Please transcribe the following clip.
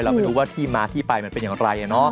เราไม่รู้ว่าที่มาที่ไปมันเป็นอย่างไรเนอะ